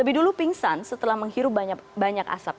lebih dulu pingsan setelah menghirup banyak asap